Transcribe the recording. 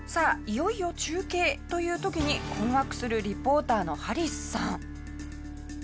いよいよ中継という時に困惑するリポーターのハリスさん。